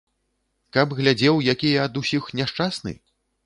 Каб глядзеў, які я ад усіх няшчасны?